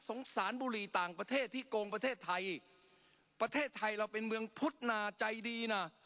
สารบุหรี่ต่างประเทศที่โกงประเทศไทยประเทศไทยเราเป็นเมืองพุทธนาใจดีน่ะ